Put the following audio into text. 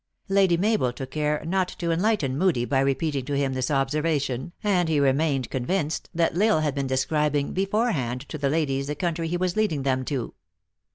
Lady Mabel took care not to enlighten Moodie by 10* 234 THE ACTRESS IN HIGH LIFE. repeating to him this observation, and he remained convinced that L Isle had been describing beforehand to the ladies the country he was leading them to.